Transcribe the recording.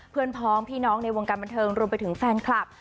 พ้องพี่น้องในวงการบันเทิงรวมไปถึงแฟนคลับ